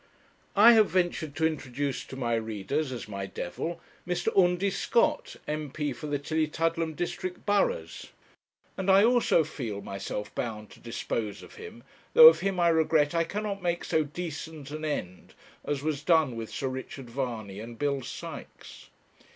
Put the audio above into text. I have ventured to introduce to my readers, as my devil, Mr. Undy Scott, M.P. for the Tillietudlem district burghs; and I also feel myself bound to dispose of him, though of him I regret I cannot make so decent an end as was done with Sir Richard Varney and Bill Sykes.